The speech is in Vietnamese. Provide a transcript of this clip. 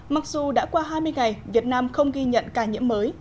mặc dù đã qua hai mươi ngày việt nam không ghi nhận ca nhiễm mới